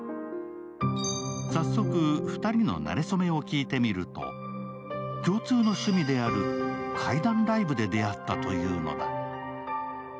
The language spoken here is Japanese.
早速、２人の馴れ初めも聞いてみると、共通の趣味である怪談ライブで出会ったというのだ。